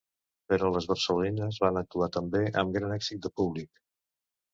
Però les barcelonines van actuar també amb gran èxit de públic.